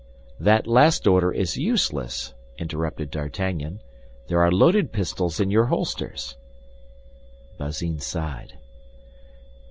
"That last order is useless," interrupted D'Artagnan; "there are loaded pistols in your holsters." Bazin sighed.